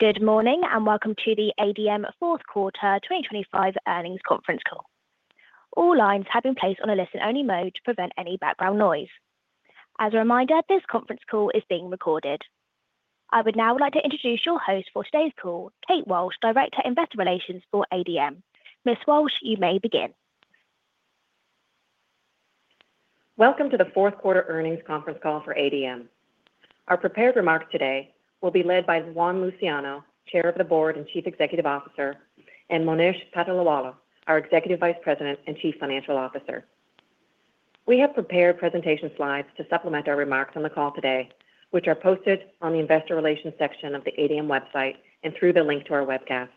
Good morning and welcome to the ADM fourth quarter 2025 earnings conference call. All lines have been placed on a listen-only mode to prevent any background noise. As a reminder, this conference call is being recorded. I would now like to introduce your host for today's call, Kate Walsh, Director of Investor Relations for ADM. Miss Walsh, you may begin. Welcome to the fourth quarter earnings conference call for ADM. Our prepared remarks today will be led by Juan Luciano, Chair of the Board and Chief Executive Officer, and Monish Patolawala, our Executive Vice President and Chief Financial Officer. We have prepared presentation slides to supplement our remarks on the call today, which are posted on the Investor Relations section of the ADM website and through the link to our webcast.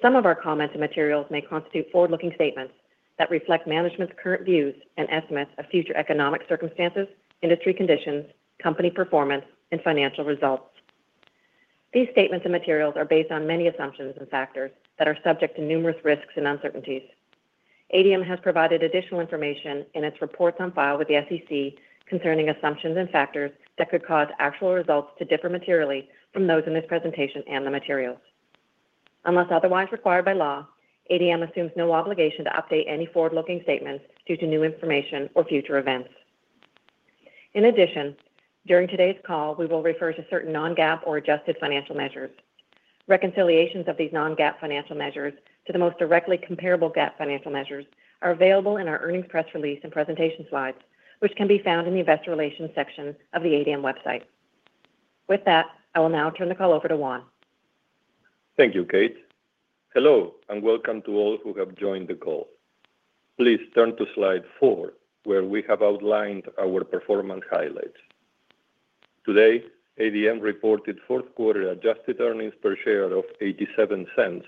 Some of our comments and materials may constitute forward-looking statements that reflect management's current views and estimates of future economic circumstances, industry conditions, company performance, and financial results. These statements and materials are based on many assumptions and factors that are subject to numerous risks and uncertainties. ADM has provided additional information in its reports on file with the SEC concerning assumptions and factors that could cause actual results to differ materially from those in this presentation and the materials. Unless otherwise required by law, ADM assumes no obligation to update any forward-looking statements due to new information or future events. In addition, during today's call, we will refer to certain non-GAAP or adjusted financial measures. Reconciliations of these non-GAAP financial measures to the most directly comparable GAAP financial measures are available in our earnings press release and presentation slides, which can be found in the Investor Relations section of the ADM website. With that, I will now turn the call over to Juan. Thank you, Kate. Hello and welcome to all who have joined the call. Please turn to slide four, where we have outlined our performance highlights. Today, ADM reported fourth quarter adjusted earnings per share of $0.87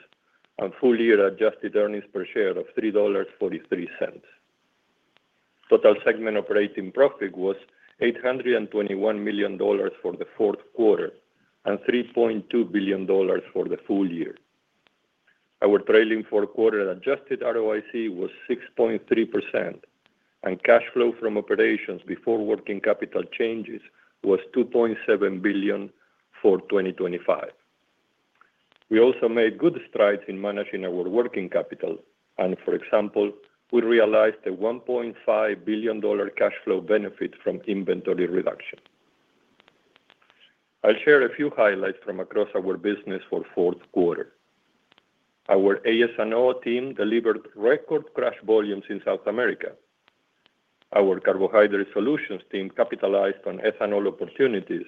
and full-year adjusted earnings per share of $3.43. Total segment operating profit was $821 million for the fourth quarter and $3.2 billion for the full-year. Our trailing fourth quarter adjusted ROIC was 6.3%, and cash flow from operations before working capital changes was $2.7 billion for 2025. We also made good strides in managing our working capital, and for example, we realized a $1.5 billion cash flow benefit from inventory reduction. I'll share a few highlights from across our business for fourth quarter. Our AS&O team delivered record cash volume in South America. Our Carbohydrate Solutions team capitalized on ethanol opportunities,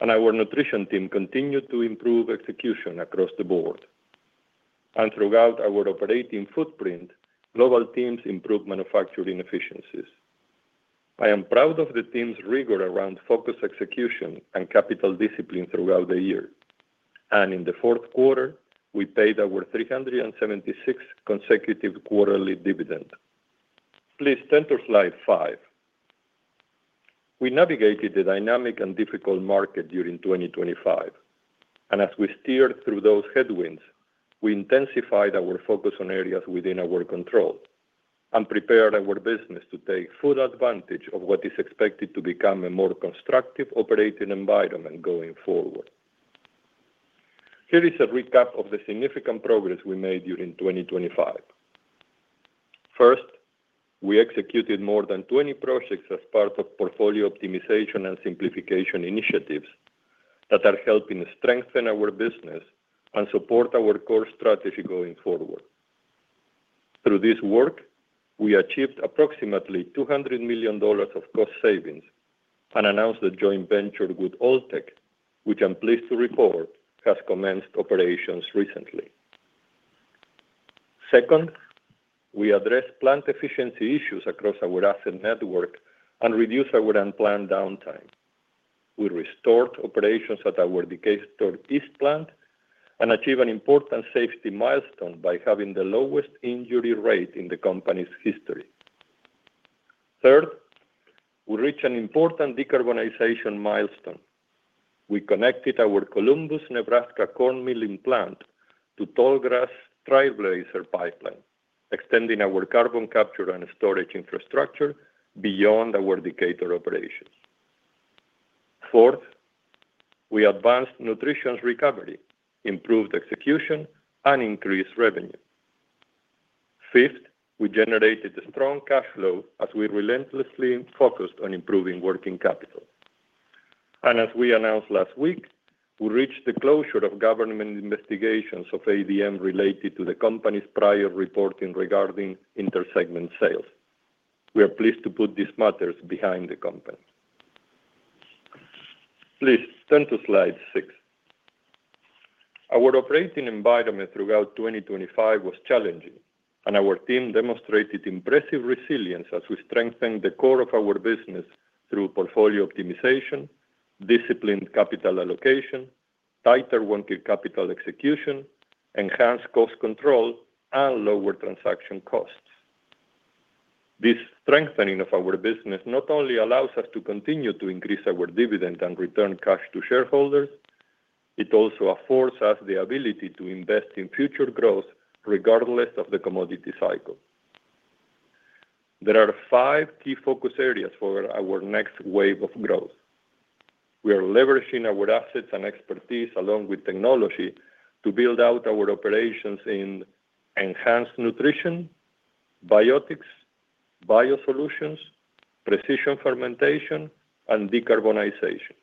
and our Nutrition team continued to improve execution across the board. Throughout our operating footprint, global teams improved manufacturing efficiencies. I am proud of the team's rigor around focused execution and capital discipline throughout the year. In the fourth quarter, we paid our 376th consecutive quarterly dividend. Please turn to slide five. We navigated the dynamic and difficult market during 2025, and as we steered through those headwinds, we intensified our focus on areas within our control and prepared our business to take full advantage of what is expected to become a more constructive operating environment going forward. Here is a recap of the significant progress we made during 2025. First, we executed more than 20 projects as part of portfolio optimization and simplification initiatives that are helping strengthen our business and support our core strategy going forward. Through this work, we achieved approximately $200 million of cost savings and announced the joint venture with Alltech, which I'm pleased to report has commenced operations recently. Second, we addressed plant efficiency issues across our asset network and reduced our unplanned downtime. We restored operations at our Decatur East plant and achieved an important safety milestone by having the lowest injury rate in the company's history. Third, we reached an important decarbonization milestone. We connected our Columbus, Nebraska corn milling plant to Tallgrass Trailblazer Pipeline, extending our carbon capture and storage infrastructure beyond our Decatur operations. Fourth, we advanced Nutrition's recovery, improved execution, and increased revenue. Fifth, we generated strong cash flow as we relentlessly focused on improving working capital. And as we announced last week, we reached the closure of government investigations of ADM related to the company's prior reporting regarding intersegment sales. We are pleased to put these matters behind the company. Please turn to slide six. Our operating environment throughout 2025 was challenging, and our team demonstrated impressive resilience as we strengthened the core of our business through portfolio optimization, disciplined capital allocation, tighter one-quarter capital execution, enhanced cost control, and lower transaction costs. This strengthening of our business not only allows us to continue to increase our dividend and return cash to shareholders, it also affords us the ability to invest in future growth regardless of the commodity cycle. There are five key focus areas for our next wave of growth. We are leveraging our assets and expertise along with technology to build out our operations in enhanced nutrition, Biotics, Biosolutions, precision fermentation, and decarbonization.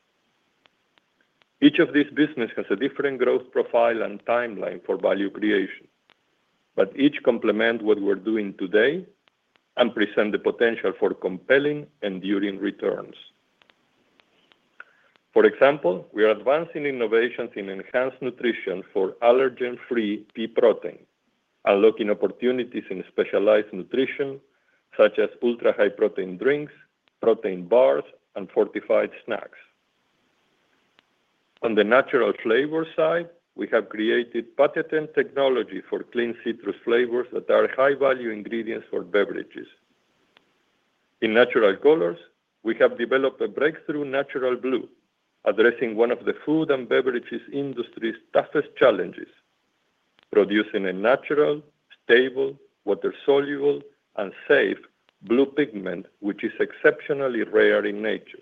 Each of these businesses has a different growth profile and timeline for value creation, but each complements what we're doing today and presents the potential for compelling and enduring returns. For example, we are advancing innovations in enhanced nutrition for allergen-free pea protein, unlocking opportunities in specialized nutrition such as ultra-high protein drinks, protein bars, and fortified snacks. On the natural flavor side, we have created patented technology for clean citrus flavors that are high-value ingredients for beverages. In natural colors, we have developed a breakthrough natural blue, addressing one of the food and beverages industry's toughest challenges: producing a natural, stable, water-soluble, and safe blue pigment which is exceptionally rare in nature.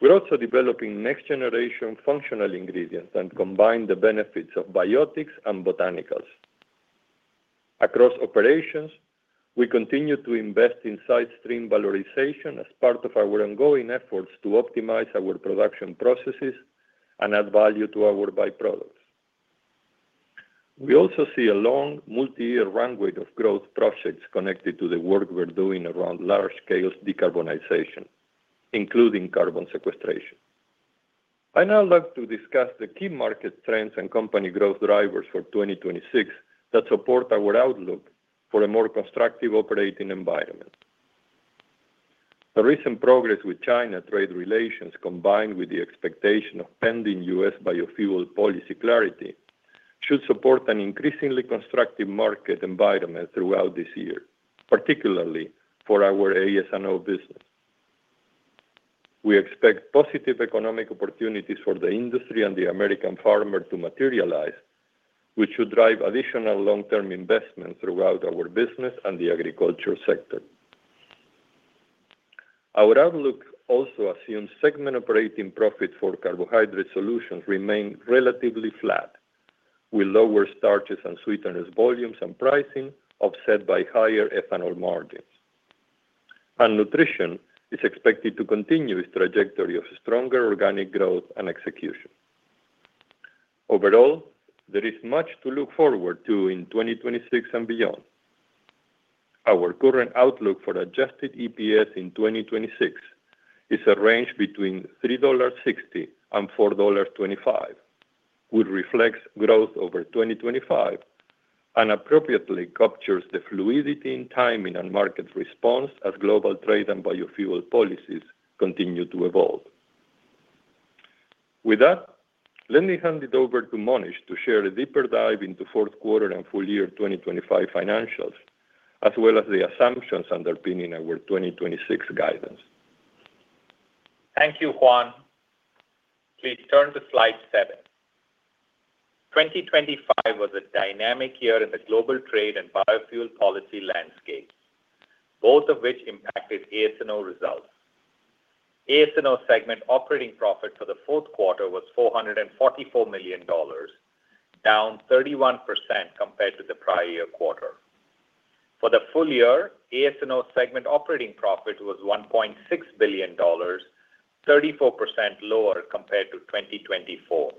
We're also developing next-generation functional ingredients and combine the benefits of biotics and botanicals. Across operations, we continue to invest in side-stream valorization as part of our ongoing efforts to optimize our production processes and add value to our byproducts. We also see a long multi-year runway of growth projects connected to the work we're doing around large-scale decarbonization, including carbon sequestration. I now like to discuss the key market trends and company growth drivers for 2026 that support our outlook for a more constructive operating environment. The recent progress with China trade relations, combined with the expectation of pending U.S. biofuel policy clarity, should support an increasingly constructive market environment throughout this year, particularly for our AS&O business. We expect positive economic opportunities for the industry and the American farmer to materialize, which should drive additional long-term investments throughout our business and the agriculture sector. Our outlook also assumes segment operating profit for Carbohydrate Solutions remains relatively flat, with lower Starches and Sweeteners volumes and pricing offset by higher ethanol margins. Nutrition is expected to continue its trajectory of stronger organic growth and execution. Overall, there is much to look forward to in 2026 and beyond. Our current outlook for adjusted EPS in 2026 is a range between $3.60-$4.25, which reflects growth over 2025 and appropriately captures the fluidity in timing and market response as global trade and biofuel policies continue to evolve. With that, let me hand it over to Monish to share a deeper dive into fourth quarter and full-year 2025 financials, as well as the assumptions underpinning our 2026 guidance. Thank you, Juan. Please turn to slide seven. 2025 was a dynamic year in the global trade and biofuel policy landscape, both of which impacted AS&O results. AS&O segment operating profit for the fourth quarter was $444 million, down 31% compared to the prior-year quarter. For the full-year, AS&O segment operating profit was $1.6 billion, 34% lower compared to 2024.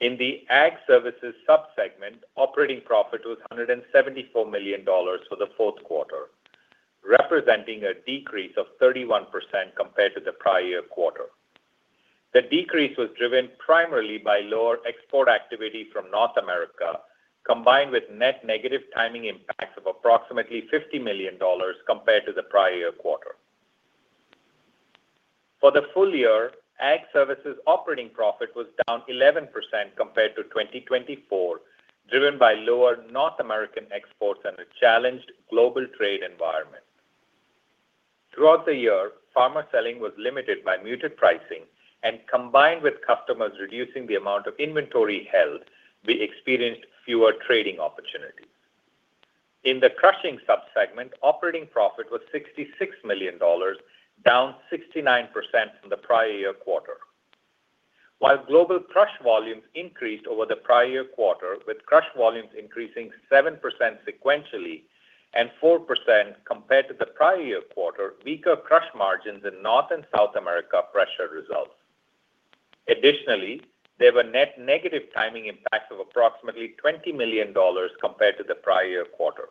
In the Ag Services subsegment, operating profit was $174 million for the fourth quarter, representing a decrease of 31% compared to the prior-year quarter. The decrease was driven primarily by lower export activity from North America, combined with net negative timing impacts of approximately $50 million compared to the prior-year quarter. For the full-year, Ag Services operating profit was down 11% compared to 2024, driven by lower North American exports and a challenged global trade environment. Throughout the year, farmer selling was limited by muted pricing, and combined with customers reducing the amount of inventory held, we experienced fewer trading opportunities. In the crushing subsegment, operating profit was $66 million, down 69% from the prior-year quarter. While global crush volumes increased over the prior-year quarter, with crush volumes increasing 7% sequentially and 4% compared to the prior-year quarter, weaker crush margins in North and South America pressured results. Additionally, there were net negative timing impacts of approximately $20 million compared to the prior-year quarter.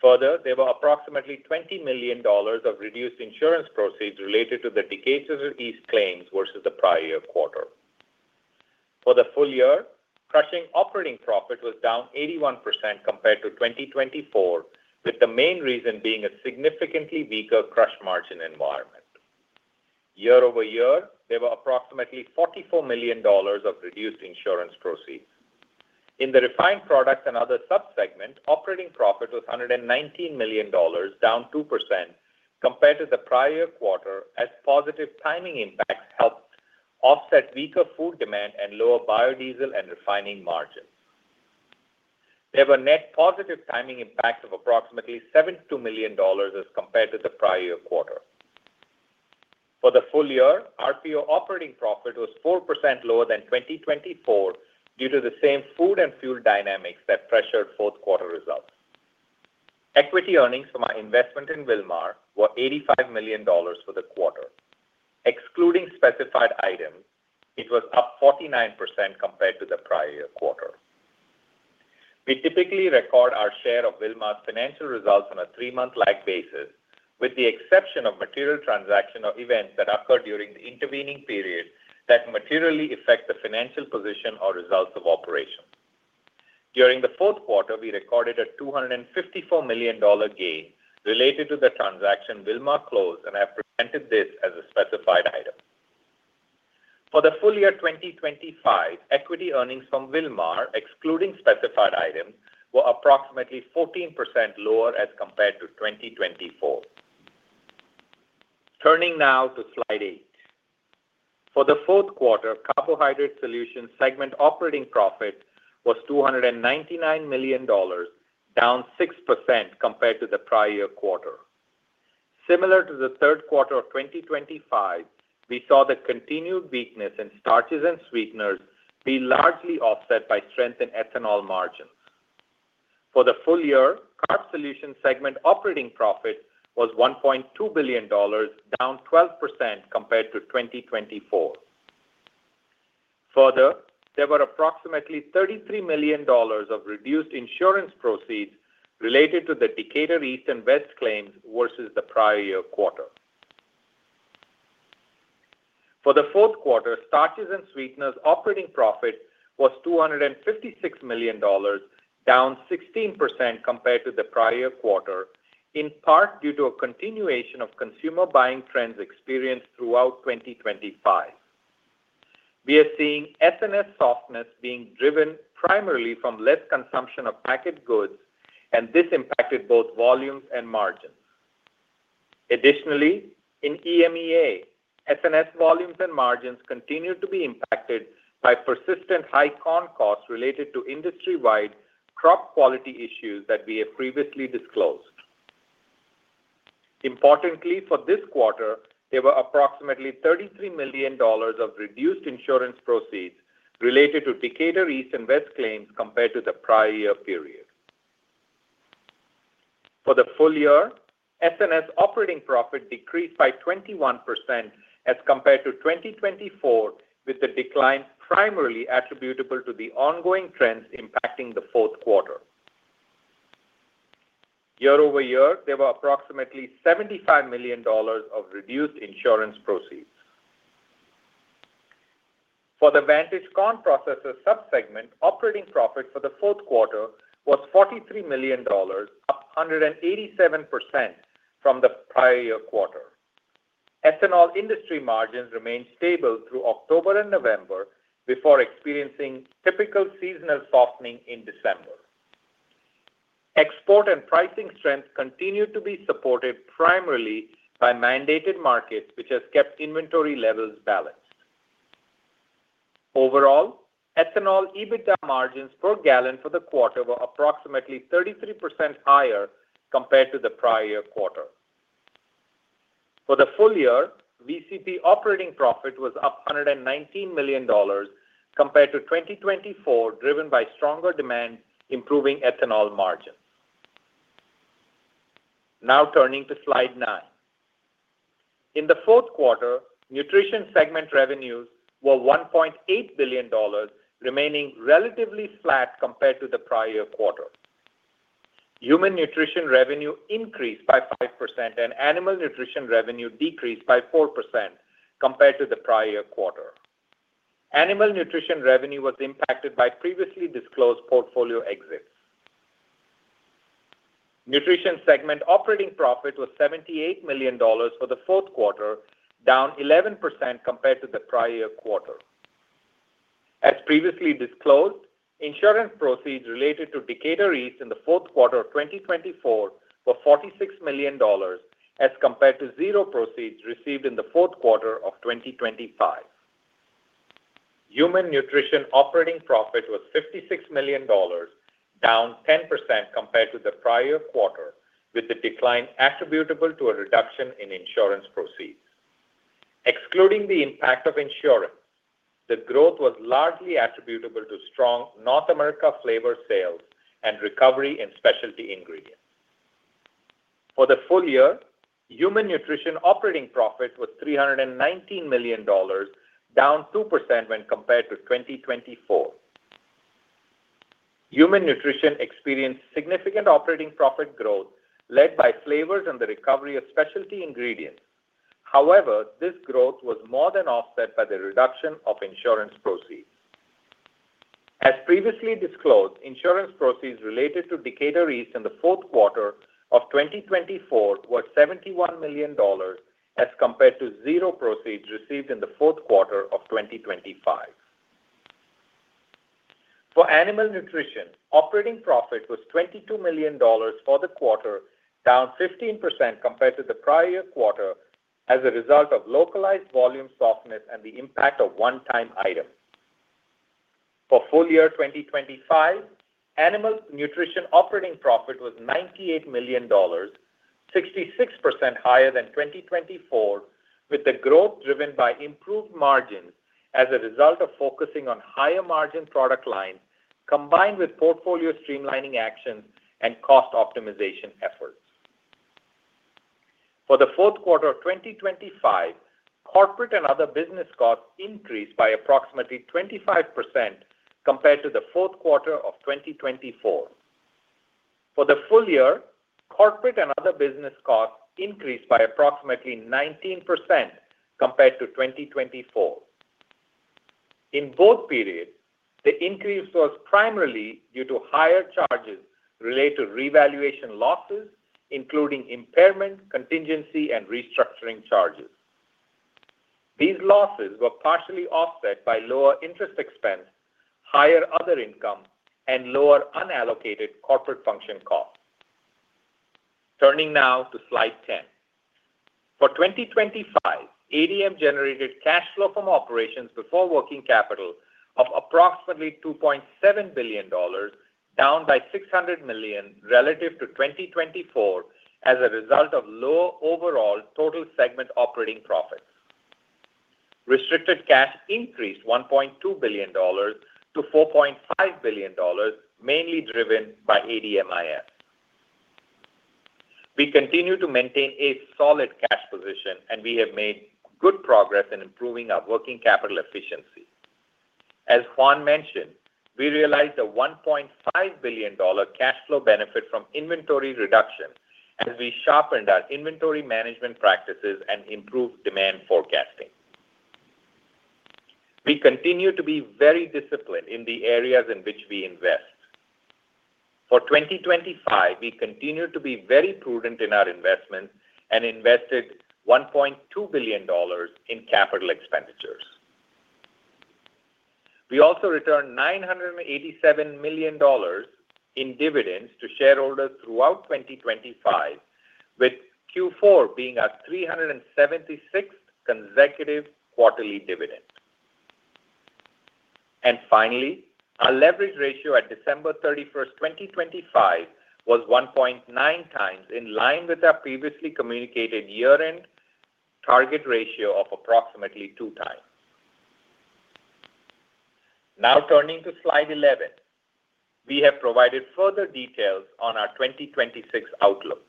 Further, there were approximately $20 million of reduced insurance proceeds related to the Decatur East claims versus the prior-year quarter. For the full-year, crushing operating profit was down 81% compared to 2024, with the main reason being a significantly weaker crush margin environment. Year-over-year, there were approximately $44 million of reduced insurance proceeds. In the Refined Products and Other subsegment, operating profit was $119 million, down 2% compared to the prior-year quarter, as positive timing impacts helped offset weaker food demand and lower biodiesel and refining margins. There were net positive timing impacts of approximately $72 million as compared to the prior-year quarter. For the full-year, RPO operating profit was 4% lower than 2024 due to the same food and fuel dynamics that pressured fourth quarter results. Equity earnings from our investment in Wilmar were $85 million for the quarter. Excluding specified items, it was up 49% compared to the prior-year quarter. We typically record our share of Wilmar's financial results on a three-month-like basis, with the exception of material transaction or events that occur during the intervening period that materially affect the financial position or results of operations. During the fourth quarter, we recorded a $254 million gain related to the transaction Wilmar closed and have presented this as a specified item. For the full-year 2025, equity earnings from Wilmar, excluding specified items, were approximately 14% lower as compared to 2024. Turning now to slide eight. For the fourth quarter, Carbohydrate Solutions segment operating profit was $299 million, down 6% compared to the prior-year quarter. Similar to the third quarter of 2025, we saw the continued weakness in Starches and Sweeteners be largely offset by strengthened ethanol margins. For the full-year, Carbohydrate Solutions segment operating profit was $1.2 billion, down 12% compared to 2024. Further, there were approximately $33 million of reduced insurance proceeds related to the Decatur East and West claims versus the prior-year quarter. For the fourth quarter, Starches and Sweeteners operating profit was $256 million, down 16% compared to the prior-year quarter, in part due to a continuation of consumer buying trends experienced throughout 2025. We are seeing S&S softness being driven primarily from less consumption of packaged goods, and this impacted both volumes and margins. Additionally, in EMEA, S&S volumes and margins continue to be impacted by persistent high corn costs related to industry-wide crop quality issues that we have previously disclosed. Importantly, for this quarter, there were approximately $33 million of reduced insurance proceeds related to Decatur East and Decatur West claims compared to the prior-year period. For the full-year, S&S operating profit decreased by 21% as compared to 2024, with the decline primarily attributable to the ongoing trends impacting the fourth quarter. Year-over-year, there were approximately $75 million of reduced insurance proceeds. For the Vantage Corn Processors subsegment, operating profit for the fourth quarter was $43 million, up 187% from the prior-year quarter. Ethanol industry margins remained stable through October and November before experiencing typical seasonal softening in December. Export and pricing strength continued to be supported primarily by mandated markets, which has kept inventory levels balanced. Overall, ethanol EBITDA margins per gallon for the quarter were approximately 33% higher compared to the prior-year quarter. For the full-year, VCP operating profit was up $119 million compared to 2024, driven by stronger demand improving ethanol margins. Now turning to slide nine. In the fourth quarter, Nutrition segment revenues were $1.8 billion, remaining relatively flat compared to the prior-year quarter. Human nutrition revenue increased by 5% and animal nutrition revenue decreased by 4% compared to the prior-year quarter. Animal nutrition revenue was impacted by previously disclosed portfolio exits. Nutrition segment operating profit was $78 million for the fourth quarter, down 11% compared to the prior-year quarter. As previously disclosed, insurance proceeds related to Decatur East in the fourth quarter of 2024 were $46 million as compared to zero proceeds received in the fourth quarter of 2025. Human nutrition operating profit was $56 million, down 10% compared to the prior-year quarter, with the decline attributable to a reduction in insurance proceeds. Excluding the impact of insurance, the growth was largely attributable to strong North America flavor sales and recovery in specialty ingredients. For the full-year, human nutrition operating profit was $319 million, down 2% when compared to 2024. Human nutrition experienced significant operating profit growth led by flavors and the recovery of specialty ingredients. However, this growth was more than offset by the reduction of insurance proceeds. As previously disclosed, insurance proceeds related to Decatur East in the fourth quarter of 2024 were $71 million as compared to zero proceeds received in the fourth quarter of 2025. For animal nutrition, operating profit was $22 million for the quarter, down 15% compared to the prior-year quarter as a result of localized volume softness and the impact of one-time items. For full-year 2025, animal nutrition operating profit was $98 million, 66% higher than 2024, with the growth driven by improved margins as a result of focusing on higher margin product lines combined with portfolio streamlining actions and cost optimization efforts. For the fourth quarter of 2025, corporate and other business costs increased by approximately 25% compared to the fourth quarter of 2024. For the full-year, corporate and other business costs increased by approximately 19% compared to 2024. In both periods, the increase was primarily due to higher charges related to revaluation losses, including impairment, contingency, and restructuring charges. These losses were partially offset by lower interest expense, higher other income, and lower unallocated corporate function costs. Turning now to Slide 10. For 2025, ADM generated cash flow from operations before working capital of approximately $2.7 billion, down by $600 million relative to 2024 as a result of low overall total segment operating profits. Restricted cash increased $1.2 billion-$4.5 billion, mainly driven by ADMIS. We continue to maintain a solid cash position, and we have made good progress in improving our working capital efficiency. As Juan mentioned, we realized a $1.5 billion cash flow benefit from inventory reduction as we sharpened our inventory management practices and improved demand forecasting. We continue to be very disciplined in the areas in which we invest. For 2025, we continue to be very prudent in our investments and invested $1.2 billion in capital expenditures. We also returned $987 million in dividends to shareholders throughout 2025, with Q4 being our 376th consecutive quarterly dividend. Finally, our leverage ratio at December 31st, 2025, was 1.9x in line with our previously communicated year-end target ratio of approximately 2x. Now turning to slide 11. We have provided further details on our 2026 outlook.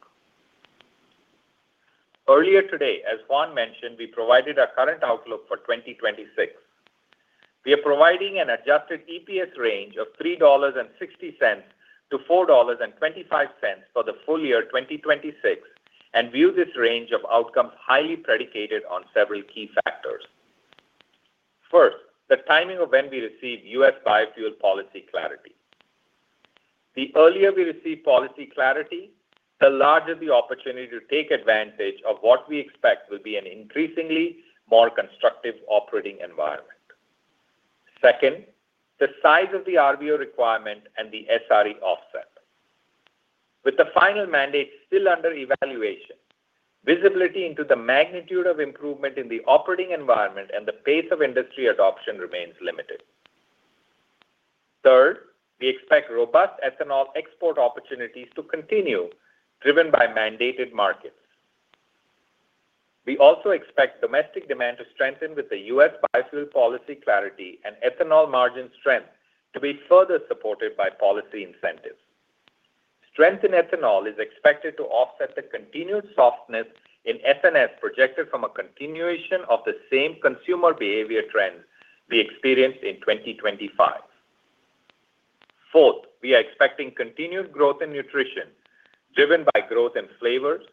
Earlier today, as Juan mentioned, we provided our current outlook for 2026. We are providing an adjusted EPS range of $3.60-$4.25 for the full-year 2026 and view this range of outcomes highly predicated on several key factors. First, the timing of when we receive U.S. biofuel policy clarity. The earlier we receive policy clarity, the larger the opportunity to take advantage of what we expect will be an increasingly more constructive operating environment. Second, the size of the RVO requirement and the SRE offset. With the final mandate still under evaluation, visibility into the magnitude of improvement in the operating environment and the pace of industry adoption remains limited. Third, we expect robust ethanol export opportunities to continue, driven by mandated markets. We also expect domestic demand to strengthen with the U.S. biofuel policy clarity and ethanol margin strength to be further supported by policy incentives. Strength in ethanol is expected to offset the continued softness in S&S projected from a continuation of the same consumer behavior trends we experienced in 2025. Fourth, we are expecting continued growth in nutrition, driven by growth in flavors,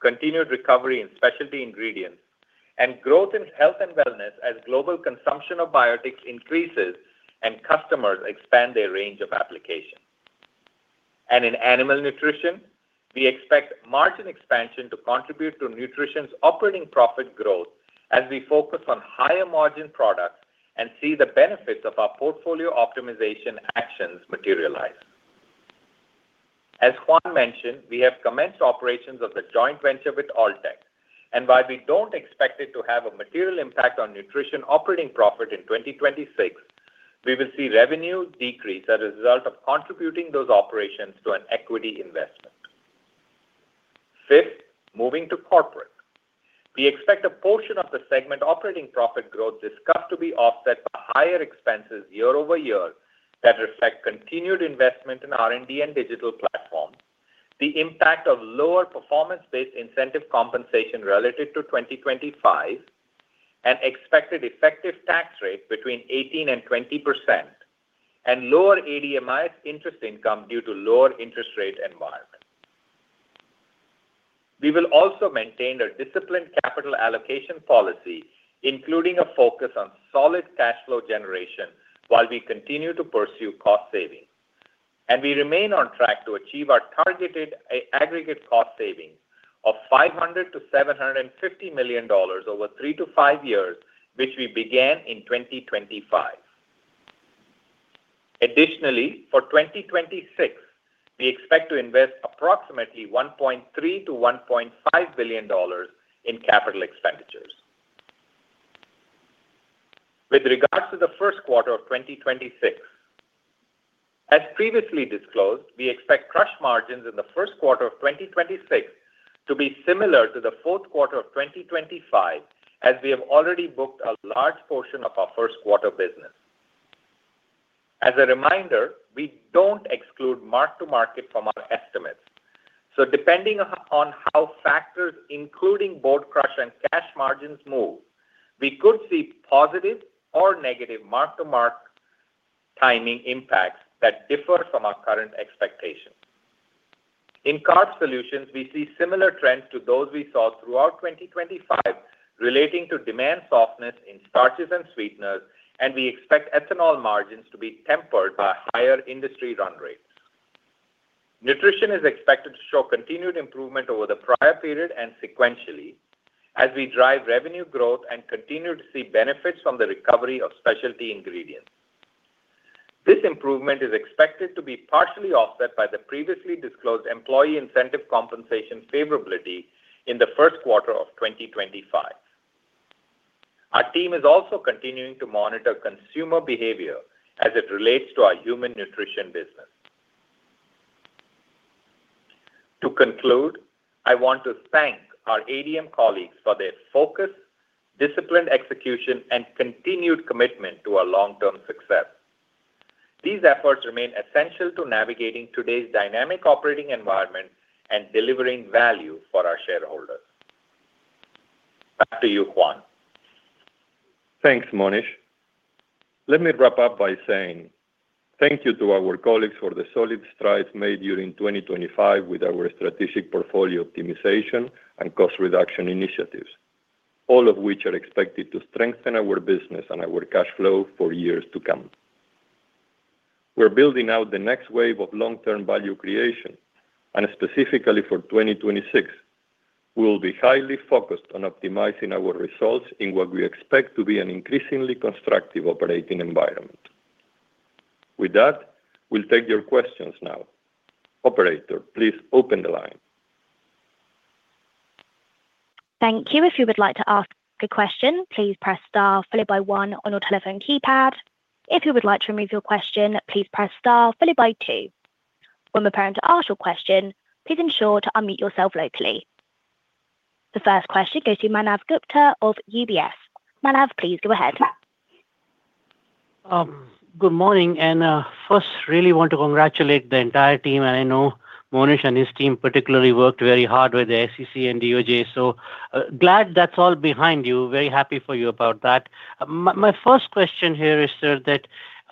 continued recovery in specialty ingredients, and growth in health and wellness as global consumption of biotics increases and customers expand their range of applications. And in animal nutrition, we expect margin expansion to contribute to nutrition's operating profit growth as we focus on higher margin products and see the benefits of our portfolio optimization actions materialize. As Juan mentioned, we have commenced operations of the joint venture with Alltech, and while we don't expect it to have a material impact on nutrition operating profit in 2026, we will see revenue decrease as a result of contributing those operations to an equity investment. Fifth, moving to corporate. We expect a portion of the segment operating profit growth discussed to be offset by higher expenses year-over-year that reflect continued investment in R&D and digital platforms, the impact of lower performance-based incentive compensation relative to 2025, an expected effective tax rate between 18% and 20%, and lower ADMIS interest income due to lower interest rate environment. We will also maintain a disciplined capital allocation policy, including a focus on solid cash flow generation while we continue to pursue cost savings. We remain on track to achieve our targeted aggregate cost savings of $500-$750 million over three to five years, which we began in 2025. Additionally, for 2026, we expect to invest approximately $1.3-$1.5 billion in capital expenditures. With regards to the first quarter of 2026, as previously disclosed, we expect crush margins in the first quarter of 2026 to be similar to the fourth quarter of 2025 as we have already booked a large portion of our first quarter business. As a reminder, we don't exclude mark-to-market from our estimates. So depending on how factors, including board crush and cash margins, move, we could see positive or negative mark-to-market timing impacts that differ from our current expectations. In Carb Solutions, we see similar trends to those we saw throughout 2025 relating to demand softness in starches and sweeteners, and we expect ethanol margins to be tempered by higher industry run rates. Nutrition is expected to show continued improvement over the prior period and sequentially as we drive revenue growth and continue to see benefits from the recovery of specialty ingredients. This improvement is expected to be partially offset by the previously disclosed employee incentive compensation favorability in the first quarter of 2025. Our team is also continuing to monitor consumer behavior as it relates to our human nutrition business. To conclude, I want to thank our ADM colleagues for their focus, disciplined execution, and continued commitment to our long-term success. These efforts remain essential to navigating today's dynamic operating environment and delivering value for our shareholders. Back to you, Juan. Thanks, Monish. Let me wrap up by saying thank you to our colleagues for the solid strides made during 2025 with our strategic portfolio optimization and cost reduction initiatives, all of which are expected to strengthen our business and our cash flow for years to come. We're building out the next wave of long-term value creation, and specifically for 2026, we will be highly focused on optimizing our results in what we expect to be an increasingly constructive operating environment. With that, we'll take your questions now. Operator, please open the line. Thank you. If you would like to ask a question, please press star followed by one on your telephone keypad. If you would like to remove your question, please press star followed by two. When preparing to ask your question, please ensure to unmute yourself locally. The first question goes to Manav Gupta of UBS. Manav, please go ahead. Good morning. First, I really want to congratulate the entire team. I know Monish and his team particularly worked very hard with the SEC and DOJ. So glad that's all behind you. Very happy for you about that. My first question here is, sir,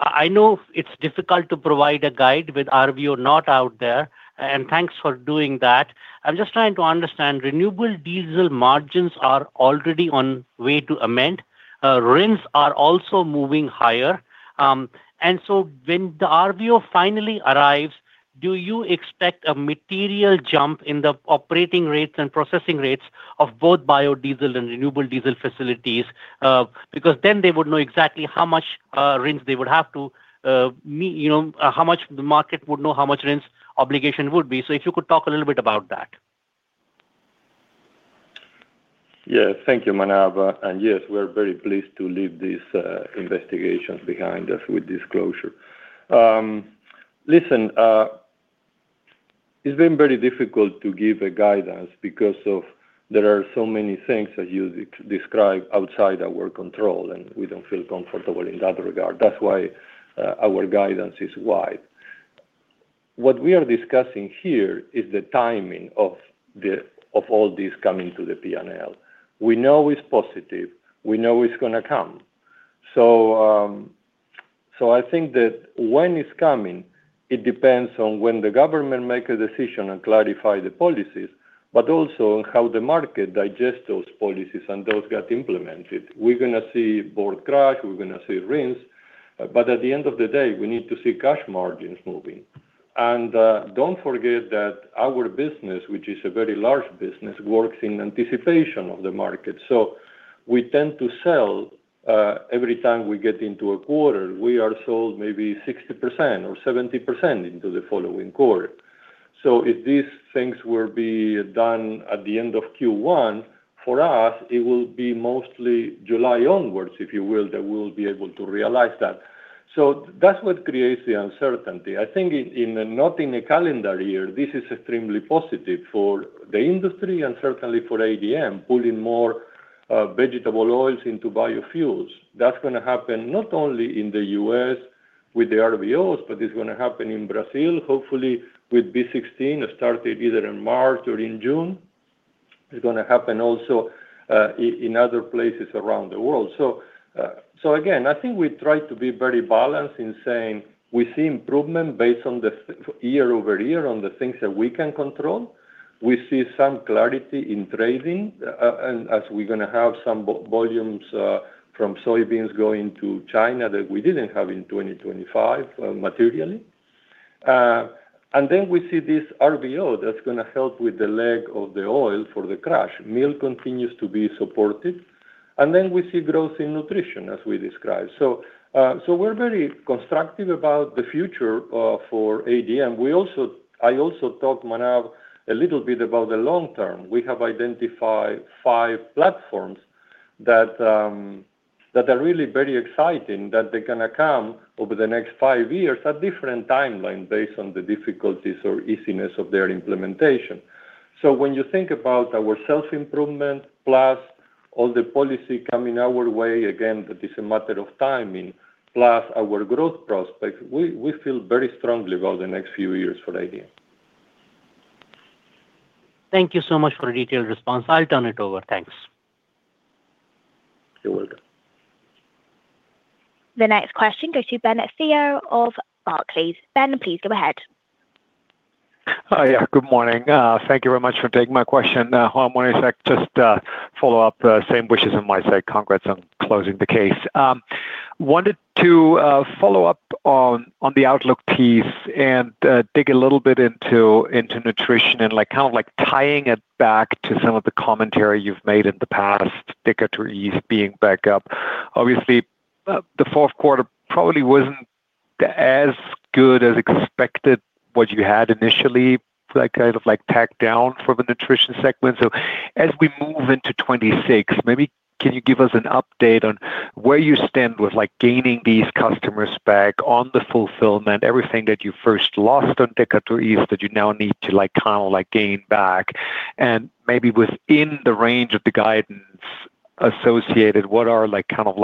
I know it's difficult to provide guidance with RVO not out there, and thanks for doing that. I'm just trying to understand. Renewable diesel margins are already on the mend. RINs are also moving higher. And so when the RVO finally arrives, do you expect a material jump in the operating rates and processing rates of both biodiesel and renewable diesel facilities? Because then they would know exactly how much RINs they would have to how much the market would know how much RINs obligation would be. So if you could talk a little bit about that. Yeah, thank you, Manav. And yes, we are very pleased to leave this investigation behind us with disclosure. Listen, it's been very difficult to give a guidance because there are so many things that you describe outside our control, and we don't feel comfortable in that regard. That's why our guidance is wide. What we are discussing here is the timing of all this coming to the P&L. We know it's positive. We know it's going to come. So I think that when it's coming, it depends on when the government makes a decision and clarifies the policies, but also on how the market digests those policies and those get implemented. We're going to see Board Crush. We're going to see RINs. But at the end of the day, we need to see cash margins moving. Don't forget that our business, which is a very large business, works in anticipation of the market. So we tend to sell every time we get into a quarter. We are sold maybe 60% or 70% into the following quarter. So if these things will be done at the end of Q1, for us, it will be mostly July onwards, if you will, that we will be able to realize that. So that's what creates the uncertainty. I think not in a calendar year, this is extremely positive for the industry and certainly for ADM pulling more vegetable oils into biofuels. That's going to happen not only in the U.S. with the RVOs, but it's going to happen in Brazil, hopefully with B16 starting either in March or in June. It's going to happen also in other places around the world. So again, I think we try to be very balanced in saying we see improvement based on the year-over-year on the things that we can control. We see some clarity in trading as we're going to have some volumes from soybeans going to China that we didn't have in 2025 materially. And then we see this RVO that's going to help with the leg of the oil for the crush. Meal continues to be supported. And then we see growth in nutrition as we described. So we're very constructive about the future for ADM. I also talked, Manav, a little bit about the long-term. We have identified five platforms that are really very exciting that they're going to come over the next five years at different timelines based on the difficulties or easiness of their implementation. When you think about our self-improvement plus all the policy coming our way again, that is a matter of timing, plus our growth prospects, we feel very strongly about the next few years for ADM. Thank you so much for a detailed response. I'll turn it over. Thanks. You're welcome. The next question goes to Ben Theurer of Barclays. Ben, please go ahead. Hi. Good morning. Thank you very much for taking my question. Juan, Monish, I'd just follow up. Same wishes on my side. Congrats on closing the case. Wanted to follow up on the outlook piece and dig a little bit into Nutrition and kind of tying it back to some of the commentary you've made in the past, Decatur East being back up. Obviously, the fourth quarter probably wasn't as good as expected what you had initially, kind of talked down for the Nutrition segment. So as we move into 2026, maybe can you give us an update on where you stand with gaining these customers back on the fulfillment, everything that you first lost on Decatur East that you now need to kind of gain back? Maybe within the range of the guidance associated, what are kind of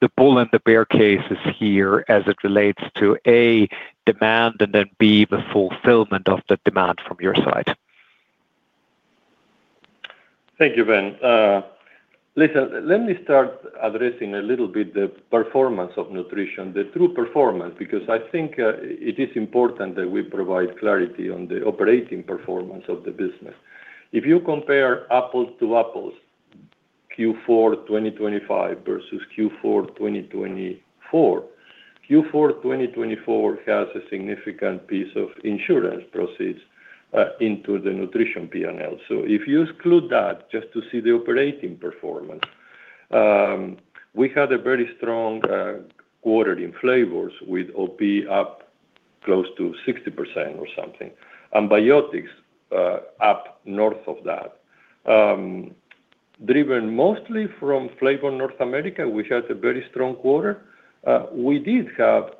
the bull and the bear cases here as it relates to, A, demand, and then B, the fulfillment of the demand from your side? Thank you, Ben. Listen, let me start addressing a little bit the performance of Nutrition, the true performance, because I think it is important that we provide clarity on the operating performance of the business. If you compare apples to apples Q4 2025 versus Q4 2024, Q4 2024 has a significant piece of insurance proceeds into the Nutrition P&L. So if you exclude that just to see the operating performance, we had a very strong quarter in Flavors with OP up close to 60% or something. Biotics up north of that. Driven mostly from Flavors North America, we had a very strong quarter. We did have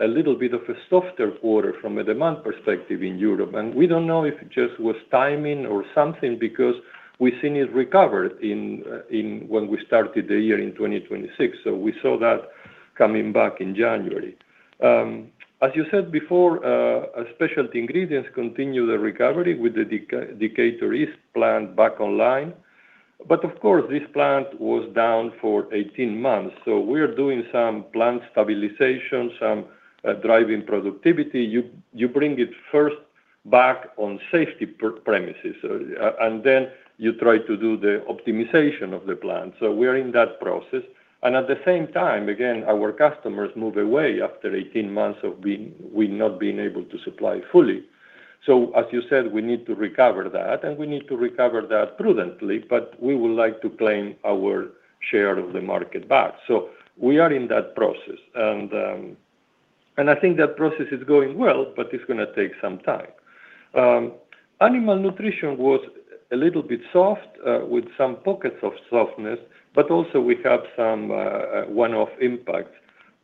a little bit of a softer quarter from a demand perspective in Europe. We don't know if it just was timing or something because we've seen it recover when we started the year in 2026. So we saw that coming back in January. As you said before, specialty ingredients continue their recovery with the Decatur East plant back online. But of course, this plant was down for 18 months. So we are doing some plant stabilization, some driving productivity. You bring it first back on safety premises, and then you try to do the optimization of the plant. So we are in that process. And at the same time, again, our customers move away after 18 months of not being able to supply fully. So as you said, we need to recover that, and we need to recover that prudently. But we would like to claim our share of the market back. So we are in that process. And I think that process is going well, but it's going to take some time. Animal nutrition was a little bit soft with some pockets of softness, but also we have some one-off impacts.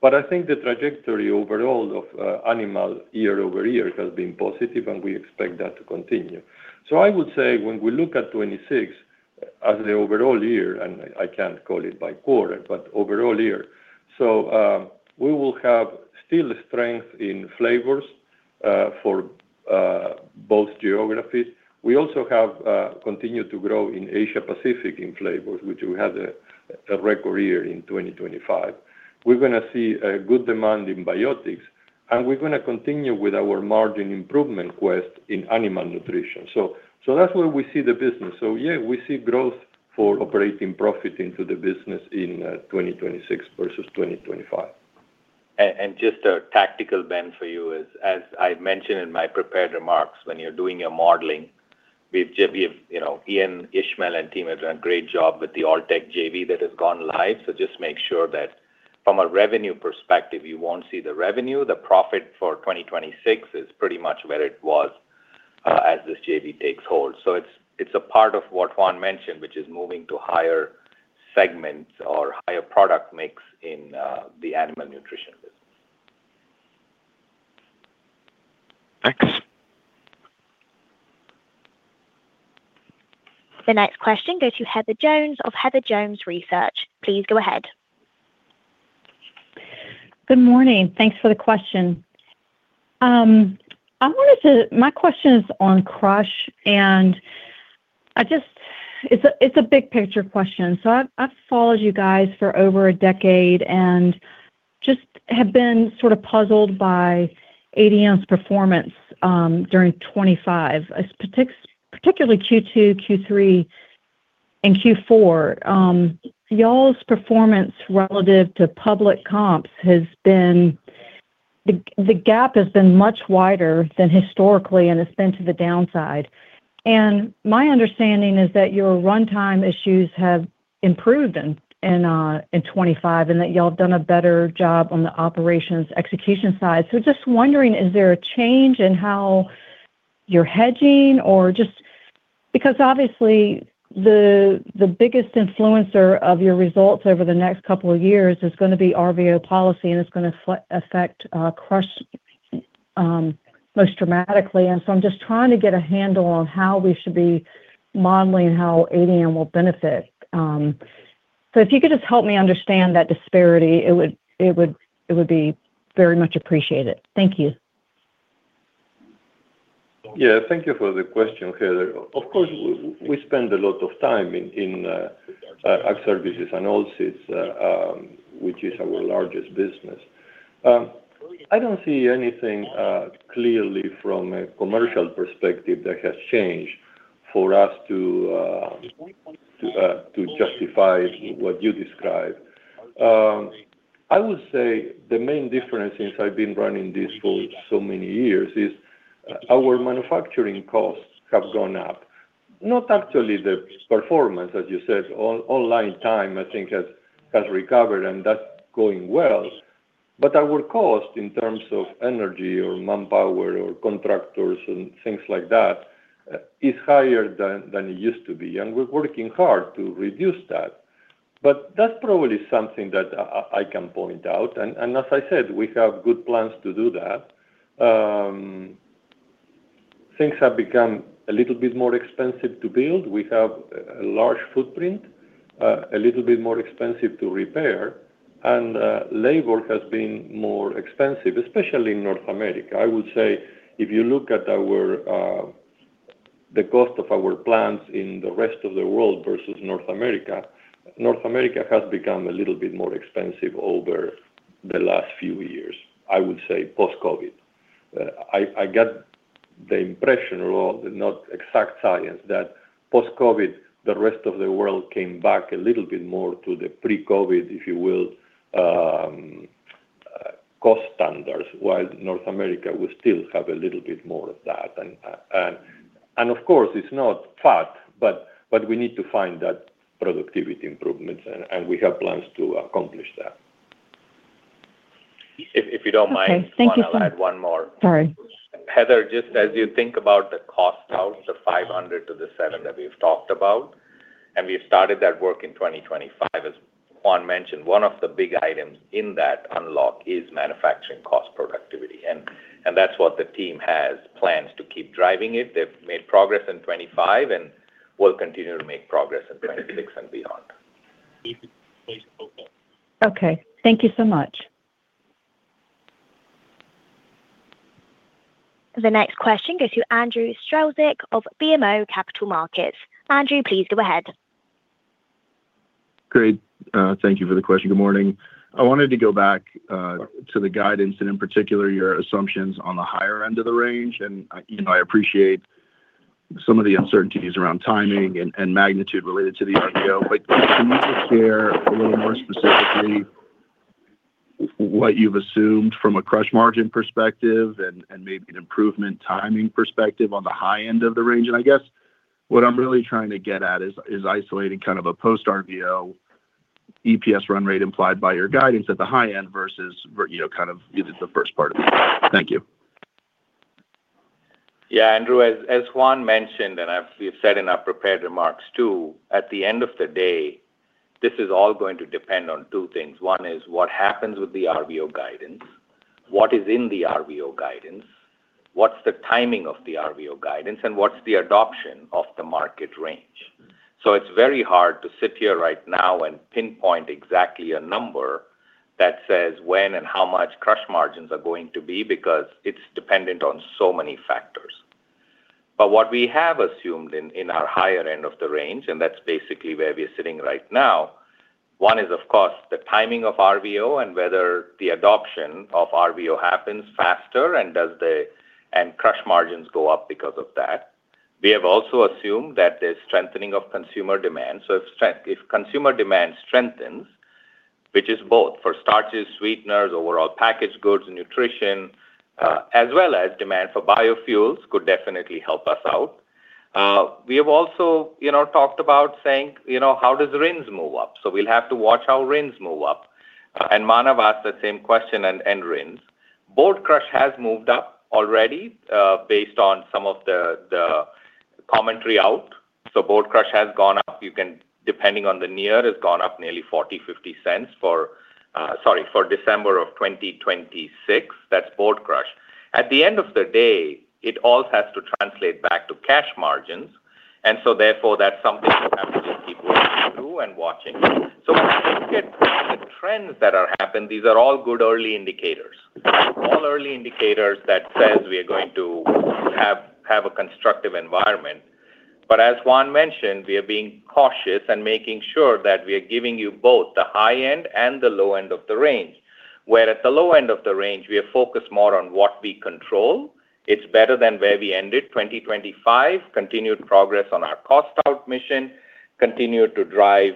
But I think the trajectory overall of animal year-over-year has been positive, and we expect that to continue. So I would say when we look at 2026 as the overall year and I can't call it by quarter, but overall year, so we will have still strength in flavors for both geographies. We also have continued to grow in Asia-Pacific in flavors, which we had a record year in 2025. We're going to see good demand in Biotics, and we're going to continue with our margin improvement quest in animal nutrition. So that's where we see the business. So yeah, we see growth for operating profit into the business in 2026 versus 2025. Just a tactical, Ben, for you. As I mentioned in my prepared remarks, when you're doing your modeling, Ian, Ishmael, and team have done a great job with the Alltech JV that has gone live. So just make sure that from a revenue perspective, you won't see the revenue. The profit for 2026 is pretty much where it was as this JV takes hold. So it's a part of what Juan mentioned, which is moving to higher segments or higher product mix in the animal nutrition business. Thanks. The next question goes to Heather Jones of Heather Jones Research. Please go ahead. Good morning. Thanks for the question. My question is on crush, and it's a big picture question. So I've followed you guys for over a decade and just have been sort of puzzled by ADM's performance during 2025, particularly Q2, Q3, and Q4. Y'all's performance relative to public comps has been the gap has been much wider than historically, and it's been to the downside. And my understanding is that your runtime issues have improved in 2025 and that y'all have done a better job on the operations execution side. So just wondering, is there a change in how you're hedging? Because obviously, the biggest influencer of your results over the next couple of years is going to be RVO policy, and it's going to affect crush most dramatically. And so I'm just trying to get a handle on how we should be modeling how ADM will benefit. If you could just help me understand that disparity, it would be very much appreciated. Thank you. Yeah, thank you for the question, Heather. Of course, we spend a lot of time in Ag Services and Oilseeds, which is our largest business. I don't see anything clearly from a commercial perspective that has changed for us to justify what you describe. I would say the main difference since I've been running this for so many years is our manufacturing costs have gone up. Not actually the performance, as you said. Online time, I think, has recovered, and that's going well. But our cost in terms of energy or manpower or contractors and things like that is higher than it used to be. And we're working hard to reduce that. But that's probably something that I can point out. And as I said, we have good plans to do that. Things have become a little bit more expensive to build. We have a large footprint, a little bit more expensive to repair. Labor has been more expensive, especially in North America. I would say if you look at the cost of our plants in the rest of the world versus North America, North America has become a little bit more expensive over the last few years, I would say, post-COVID. I got the impression, although not exact science, that post-COVID, the rest of the world came back a little bit more to the pre-COVID, if you will, cost standards, while North America would still have a little bit more of that. Of course, it's not fat, but we need to find that productivity improvements, and we have plans to accomplish that. If you don't mind, Juan will add one more. Thank you. Sorry. Heather, just as you think about the cost out, the $500 million-$700 million that we've talked about, and we've started that work in 2025, as Juan mentioned, one of the big items in that unlock is manufacturing cost productivity. That's what the team has plans to keep driving it. They've made progress in 2025 and will continue to make progress in 2026 and beyond. Even place focus. Okay. Thank you so much. The next question goes to Andrew Strelzik of BMO Capital Markets. Andrew, please go ahead. Great. Thank you for the question. Good morning. I wanted to go back to the guidance and in particular, your assumptions on the higher end of the range. And I appreciate some of the uncertainties around timing and magnitude related to the RVO. But can you just share a little more specifically what you've assumed from a crush margin perspective and maybe an improvement timing perspective on the high end of the range? And I guess what I'm really trying to get at is isolating kind of a post-RVO EPS run rate implied by your guidance at the high end versus kind of the first part of it. Thank you. Yeah, Andrew. As Juan mentioned, and we've said in our prepared remarks too, at the end of the day, this is all going to depend on two things. One is what happens with the RVO guidance, what is in the RVO guidance, what's the timing of the RVO guidance, and what's the adoption of the market range. So it's very hard to sit here right now and pinpoint exactly a number that says when and how much crush margins are going to be because it's dependent on so many factors. But what we have assumed in our higher end of the range, and that's basically where we're sitting right now, one is, of course, the timing of RVO and whether the adoption of RVO happens faster and crush margins go up because of that. We have also assumed that there's strengthening of consumer demand. So if consumer demand strengthens, which is both for starches, sweeteners, overall packaged goods, nutrition, as well as demand for biofuels, could definitely help us out. We have also talked about saying, "How does RINs move up?" So we'll have to watch how RINs move up. And Manav asked the same question and RINs. Board Crush has moved up already based on some of the commentary out. So Board Crush has gone up. Depending on the year, it's gone up nearly $0.40-$0.50 for December of 2026. That's Board Crush. At the end of the day, it all has to translate back to cash margins. And so therefore, that's something we have to just keep working through and watching. So when I look at the trends that are happening, these are all good early indicators, all early indicators that says we are going to have a constructive environment. But as Juan mentioned, we are being cautious and making sure that we are giving you both the high end and the low end of the range. Where at the low end of the range, we are focused more on what we control. It's better than where we ended 2025, continued progress on our cost out mission, continued to drive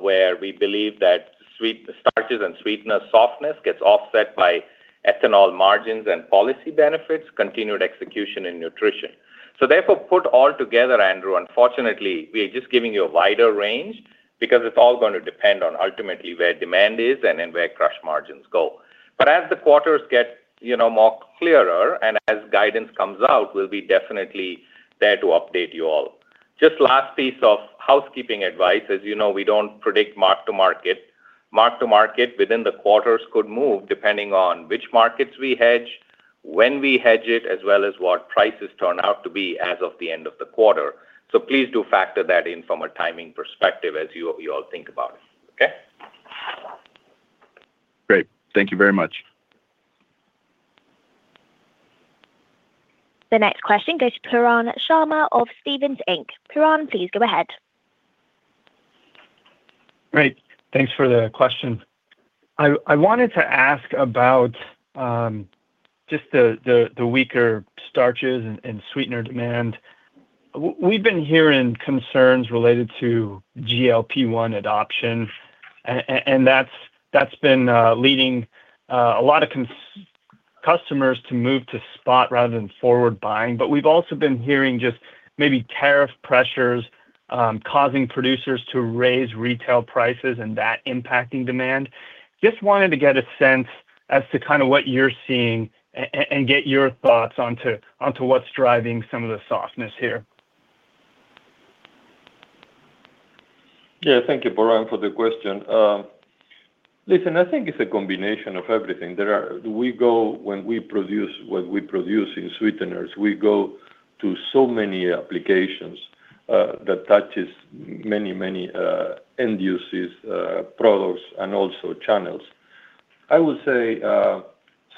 where we believe that Starches and Sweeteners softness gets offset by ethanol margins and policy benefits, continued execution in Nutrition. So therefore, put all together, Andrew. Unfortunately, we are just giving you a wider range because it's all going to depend on ultimately where demand is and then where crush margins go. But as the quarters get more clearer and as guidance comes out, we'll be definitely there to update you all. Just last piece of housekeeping advice. As you know, we don't predict mark-to-market. Mark-to-market within the quarters could move depending on which markets we hedge, when we hedge it, as well as what prices turn out to be as of the end of the quarter. So please do factor that in from a timing perspective as you all think about it. Okay? Great. Thank you very much. The next question goes to Pooran Sharma of Stephens Inc. Pooran, please go ahead. Great. Thanks for the question. I wanted to ask about just the weaker Starches and Sweeteners demand. We've been hearing concerns related to GLP-1 adoption, and that's been leading a lot of customers to move to spot rather than forward buying. But we've also been hearing just maybe tariff pressures causing producers to raise retail prices and that impacting demand. Just wanted to get a sense as to kind of what you're seeing and get your thoughts onto what's driving some of the softness here. Yeah, thank you, Pooran, for the question. Listen, I think it's a combination of everything. When we produce what we produce in sweeteners, we go to so many applications that touches many, many end-users' products and also channels. I would say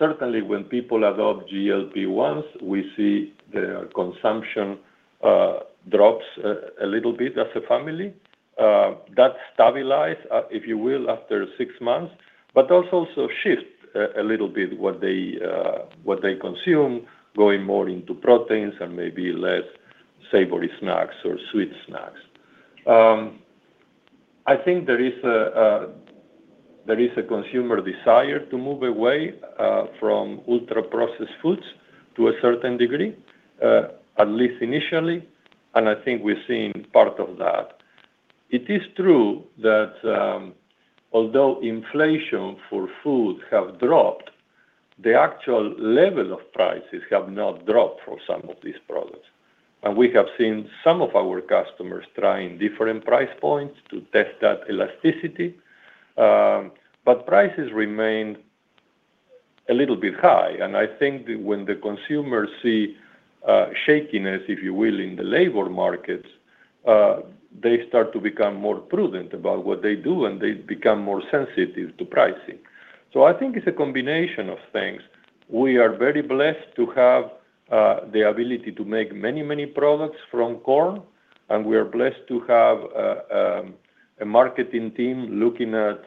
certainly when people adopt GLP-1s, we see their consumption drops a little bit as a family. That stabilized, if you will, after six months, but also shift a little bit what they consume, going more into proteins and maybe less savory snacks or sweet snacks. I think there is a consumer desire to move away from ultra-processed foods to a certain degree, at least initially. I think we're seeing part of that. It is true that although inflation for food has dropped, the actual level of prices have not dropped for some of these products. We have seen some of our customers trying different price points to test that elasticity. But prices remain a little bit high. I think when the consumers see shakiness, if you will, in the labor markets, they start to become more prudent about what they do, and they become more sensitive to pricing. So I think it's a combination of things. We are very blessed to have the ability to make many, many products from corn. We are blessed to have a marketing team looking at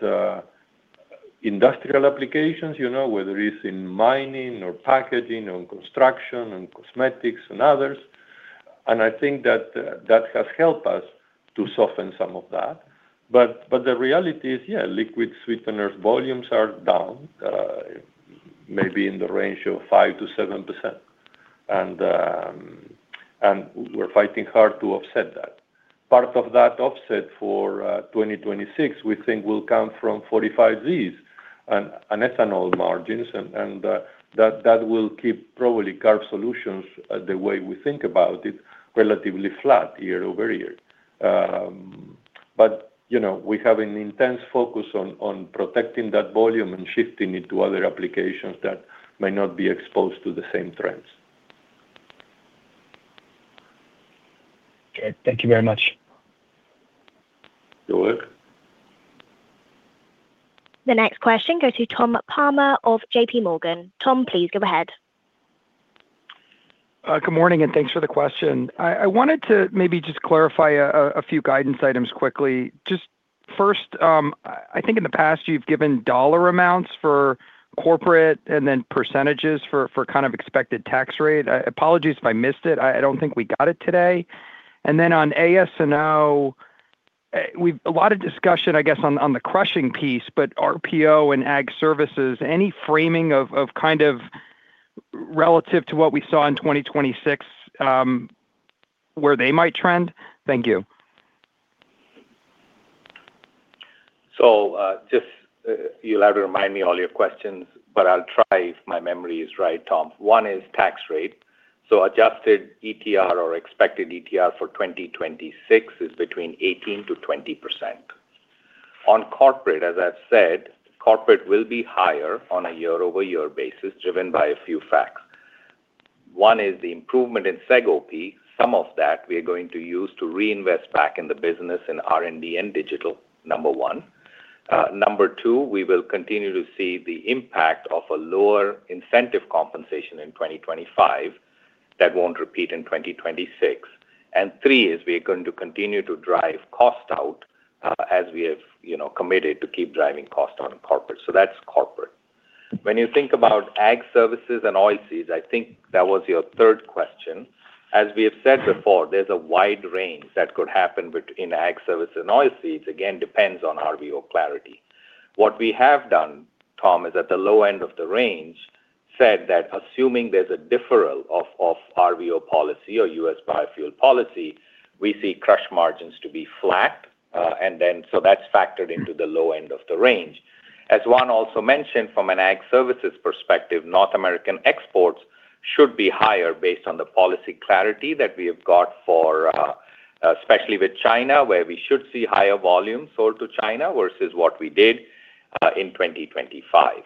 industrial applications, whether it's in mining or packaging or construction and cosmetics and others. I think that that has helped us to soften some of that. But the reality is, yeah, liquid sweeteners' volumes are down, maybe in the range of 5%-7%. We're fighting hard to offset that. Part of that offset for 2026, we think, will come from 45Zs and ethanol margins. And that will keep probably carb solutions, the way we think about it, relatively flat year-over-year. But we have an intense focus on protecting that volume and shifting it to other applications that may not be exposed to the same trends. Great. Thank you very much. You're welcome. The next question goes to Tom Palmer of JPMorgan. Tom, please go ahead. Good morning, and thanks for the question. I wanted to maybe just clarify a few guidance items quickly. Just first, I think in the past, you've given dollar amounts for corporate and then percentages for kind of expected tax rate. Apologies if I missed it. I don't think we got it today. And then on AS&O, we've a lot of discussion, I guess, on the crushing piece, but RPO and Ag Services, any framing of kind of relative to what we saw in 2026 where they might trend? Thank you. So just you'll have to remind me all your questions, but I'll try if my memory is right, Tom. One is tax rate. So adjusted ETR or expected ETR for 2026 is between 18%-20%. On corporate, as I've said, corporate will be higher on a year-over-year basis driven by a few facts. One is the improvement in SEGOP. Some of that we are going to use to reinvest back in the business in R&D and digital, number one. Number two, we will continue to see the impact of a lower incentive compensation in 2025 that won't repeat in 2026. And three is we are going to continue to drive cost out as we have committed to keep driving cost out in corporate. So that's corporate. When you think about Ag Services and Oilseeds, I think that was your third question. As we have said before, there's a wide range that could happen in Ag Services and Oilseeds. Again, depends on RVO clarity. What we have done, Tom, is at the low end of the range, said that assuming there's a deferral of RVO policy or U.S. biofuel policy, we see crush margins to be flat. And then so that's factored into the low end of the range. As Juan also mentioned, from an Ag Services perspective, North American exports should be higher based on the policy clarity that we have got for especially with China, where we should see higher volume sold to China versus what we did in 2025.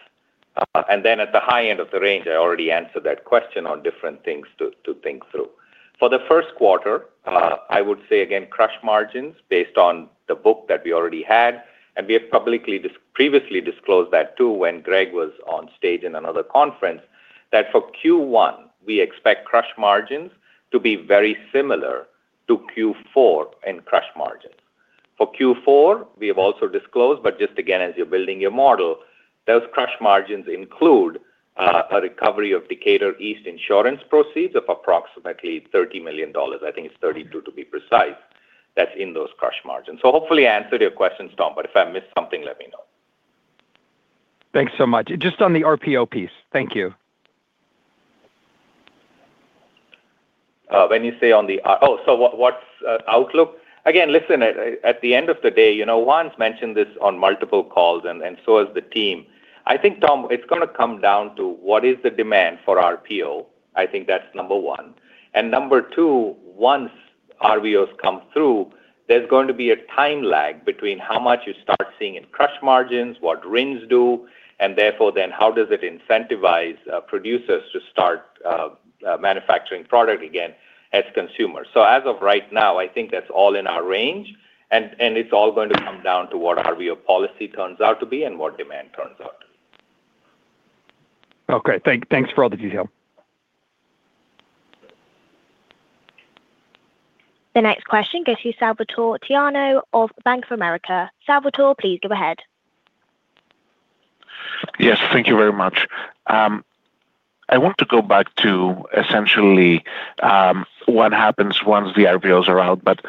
And then at the high end of the range, I already answered that question on different things to think through. For the first quarter, I would say, again, crush margins based on the book that we already had, and we have publicly previously disclosed that too when Greg was on stage in another conference, that for Q1, we expect crush margins to be very similar to Q4 in crush margins. For Q4, we have also disclosed, but just again, as you're building your model, those crush margins include a recovery of Decatur East insurance proceeds of approximately $30 million. I think it's $32 million to be precise. That's in those crush margins. So hopefully, I answered your questions, Tom, but if I missed something, let me know. Thanks so much. Just on the RPO piece, thank you. When you say, "Oh, so what's the outlook?" Again, listen, at the end of the day, Juan's mentioned this on multiple calls, and so has the team. I think, Tom, it's going to come down to what is the demand for RPO. I think that's number one. And number two, once RVOs come through, there's going to be a time lag between how much you start seeing in crush margins, what RINs do, and therefore then how does it incentivize producers to start manufacturing product again as consumers. So as of right now, I think that's all in our range. And it's all going to come down to what RVO policy turns out to be and what demand turns out to be. Okay. Thanks for all the detail. The next question goes to Salvatore Tiano of Bank of America. Salvatore, please go ahead. Yes, thank you very much. I want to go back to essentially what happens once the RVOs are out, but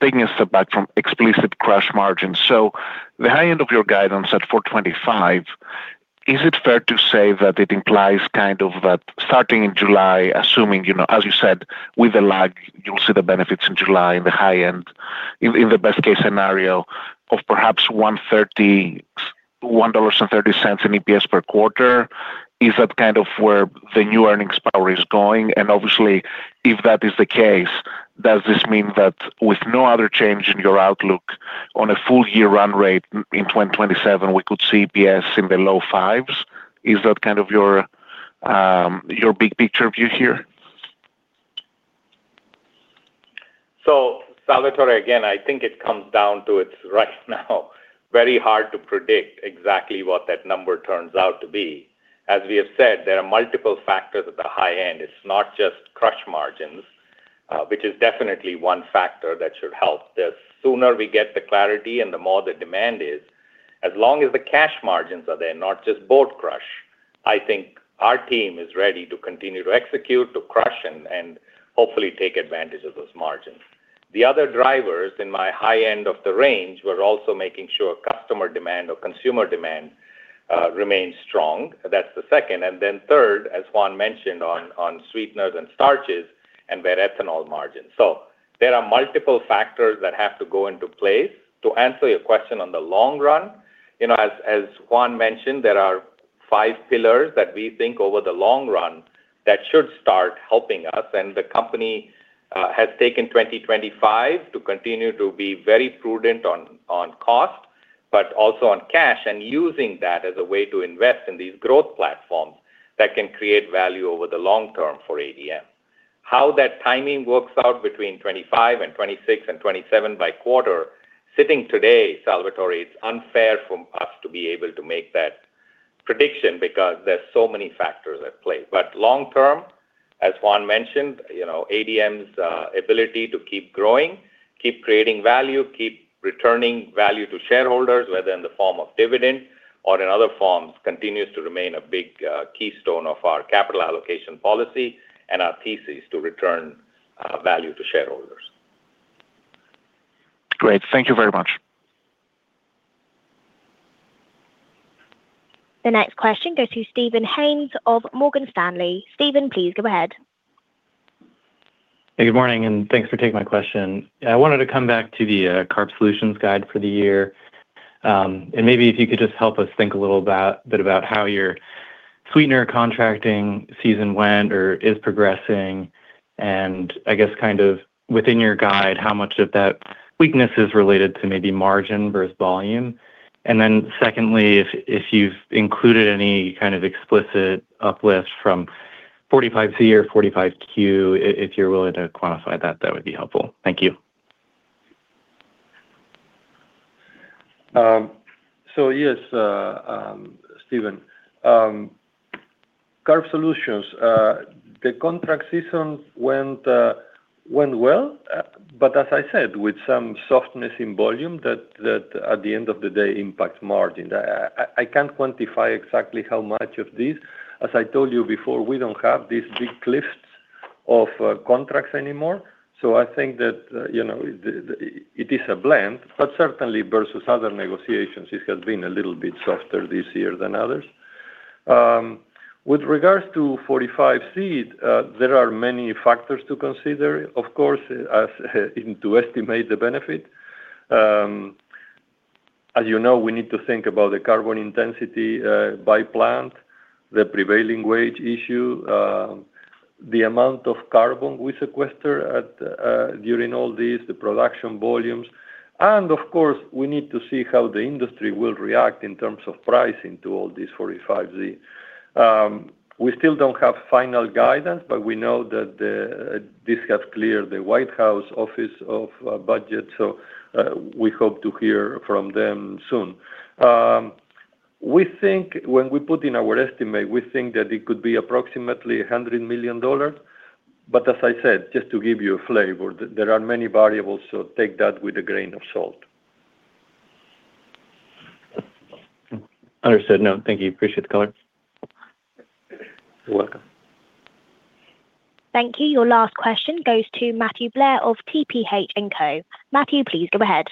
taking a step back from explicit crush margins. So the high end of your guidance at $4.25, is it fair to say that it implies kind of that starting in July, assuming, as you said, with a lag, you'll see the benefits in July in the high end, in the best-case scenario, of perhaps $1.30 and $0.30 in EPS per quarter? Is that kind of where the new earnings power is going? And obviously, if that is the case, does this mean that with no other change in your outlook on a full-year run rate in 2027, we could see EPS in the low fives? Is that kind of your big picture view here? So Salvatore, again, I think it comes down to it's right now very hard to predict exactly what that number turns out to be. As we have said, there are multiple factors at the high end. It's not just crush margins, which is definitely one factor that should help. The sooner we get the clarity and the more the demand is, as long as the cash margins are there, not just board crush, I think our team is ready to continue to execute, to crush, and hopefully take advantage of those margins. The other drivers in my high end of the range were also making sure customer demand or consumer demand remains strong. That's the second. And then third, as Juan mentioned on sweeteners and starches and their ethanol margins. So there are multiple factors that have to go into place. To answer your question on the long run, as Juan mentioned, there are five pillars that we think over the long run that should start helping us. The company has taken 2025 to continue to be very prudent on cost, but also on cash, and using that as a way to invest in these growth platforms that can create value over the long-term for ADM. How that timing works out between 2025 and 2026 and 2027 by quarter, sitting today, Salvatore, it's unfair for us to be able to make that prediction because there's so many factors at play. long-term, as Juan mentioned, ADM's ability to keep growing, keep creating value, keep returning value to shareholders, whether in the form of dividend or in other forms, continues to remain a big keystone of our capital allocation policy and our thesis to return value to shareholders. Great. Thank you very much. The next question goes to Steven Haynes of Morgan Stanley. Steven, please go ahead. Hey, good morning, and thanks for taking my question. I wanted to come back to the carb solutions guide for the year. Maybe if you could just help us think a little bit about how your sweetener contracting season went or is progressing. I guess kind of within your guide, how much of that weakness is related to maybe margin versus volume? Then secondly, if you've included any kind of explicit uplift from 45Z or 45Q, if you're willing to quantify that, that would be helpful. Thank you. So yes, Steven. Carbohydrate Solutions, the contract season went well. But as I said, with some softness in volume that at the end of the day impacts margin. I can't quantify exactly how much of this. As I told you before, we don't have these big cliffs of contracts anymore. So I think that it is a blend, but certainly versus other negotiations, it has been a little bit softer this year than others. With regards to 45Z, there are many factors to consider, of course, to estimate the benefit. As you know, we need to think about the carbon intensity by plant, the prevailing wage issue, the amount of carbon we sequester during all these, the production volumes. And of course, we need to see how the industry will react in terms of pricing to all this 45Z. We still don't have final guidance, but we know that this has cleared the White House Office of Budget. So we hope to hear from them soon. When we put in our estimate, we think that it could be approximately $100 million. But as I said, just to give you a flavor, there are many variables, so take that with a grain of salt. Understood. No, thank you. Appreciate the color. You're welcome. Thank you. Your last question goes to Matthew Blair of TPH & Co. Matthew, please go ahead.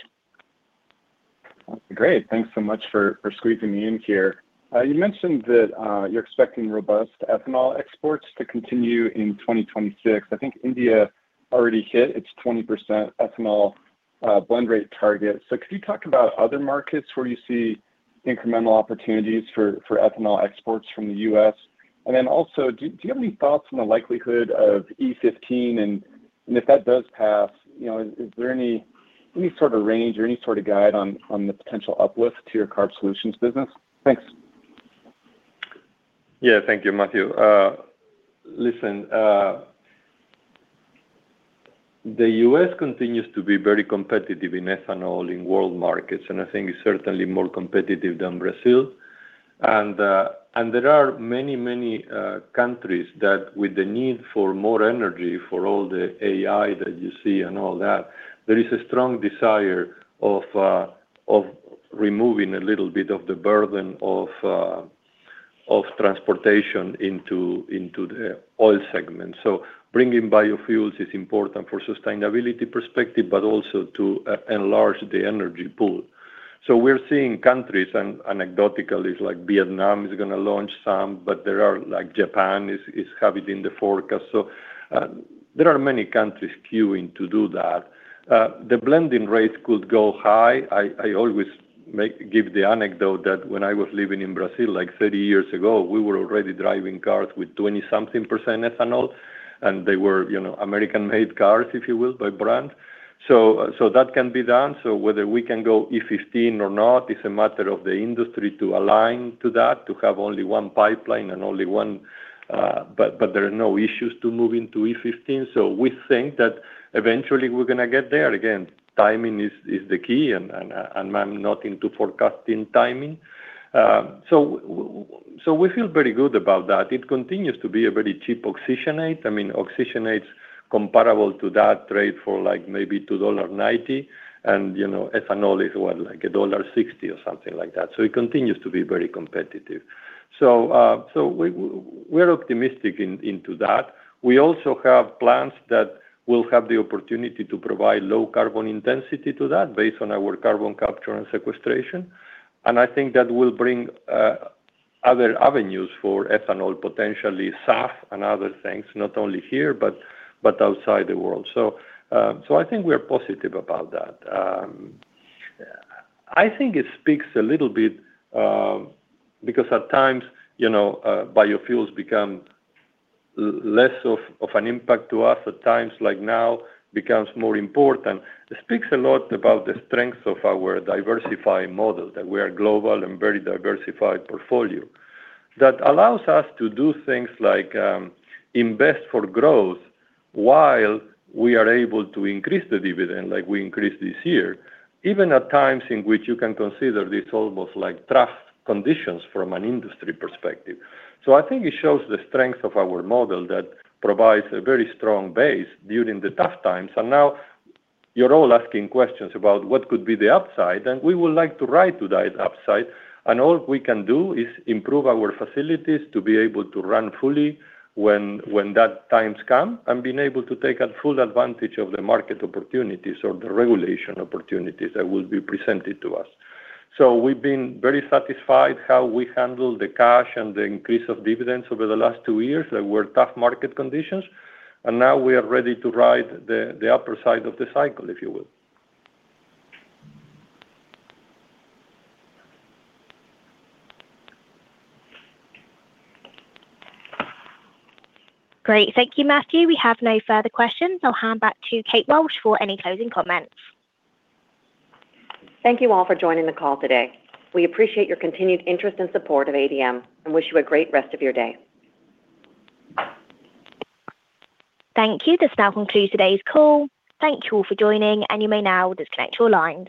Great. Thanks so much for squeezing me in here. You mentioned that you're expecting robust ethanol exports to continue in 2026. I think India already hit its 20% ethanol blend rate target. So could you talk about other markets where you see incremental opportunities for ethanol exports from the U.S.? And then also, do you have any thoughts on the likelihood of E15? And if that does pass, is there any sort of range or any sort of guide on the potential uplift to your carb solutions business? Thanks. Yeah, thank you, Matthew. Listen, the U.S. continues to be very competitive in ethanol in world markets, and I think it's certainly more competitive than Brazil. And there are many, many countries that with the need for more energy for all the AI that you see and all that, there is a strong desire of removing a little bit of the burden of transportation into the oil segment. So bringing biofuels is important for sustainability perspective, but also to enlarge the energy pool. So we're seeing countries, anecdotally, like Vietnam is going to launch some, but Japan is having it in the forecast. So there are many countries queuing to do that. The blending rate could go high. I always give the anecdote that when I was living in Brazil 30 years ago, we were already driving cars with 20-something% ethanol. And they were American-made cars, if you will, by brand. So that can be done. So whether we can go E15 or not is a matter of the industry to align to that, to have only one pipeline and only one, but there are no issues to move into E15. So we think that eventually, we're going to get there. Again, timing is the key, and I'm not into forecasting timing. So we feel very good about that. It continues to be a very cheap oxygenate. I mean, oxygenate's comparable to that trade for maybe $2.90, and ethanol is what, like $1.60 or something like that. So it continues to be very competitive. So we're optimistic into that. We also have plans that will have the opportunity to provide low carbon intensity to that based on our carbon capture and sequestration. I think that will bring other avenues for ethanol, potentially SAF and other things, not only here, but outside the world. So I think we are positive about that. I think it speaks a little bit because at times, biofuels become less of an impact to us. At times, like now, it becomes more important. It speaks a lot about the strengths of our diversified model, that we are global and very diversified portfolio, that allows us to do things like invest for growth while we are able to increase the dividend like we increased this year, even at times in which you can consider these almost like tough conditions from an industry perspective. So I think it shows the strength of our model that provides a very strong base during the tough times. Now you're all asking questions about what could be the upside, and we would like to ride to that upside. All we can do is improve our facilities to be able to run fully when that time's come and be able to take full advantage of the market opportunities or the regulation opportunities that will be presented to us. We've been very satisfied how we handle the cash and the increase of dividends over the last two years. There were tough market conditions, and now we are ready to ride the upper side of the cycle, if you will. Great. Thank you, Matthew. We have no further questions. I'll hand back to Kate Walsh for any closing comments. Thank you all for joining the call today. We appreciate your continued interest and support of ADM and wish you a great rest of your day. Thank you. This now concludes today's call. Thank you all for joining, and you may now disconnect your lines.